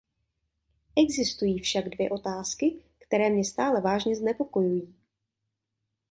Existují však dvě otázky, které mě stále vážně znepokojují.